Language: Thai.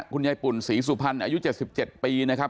คุณยายปุ่นศรีสุพรรณอายุเจ็ดสิบเจ็ดปีนะครับ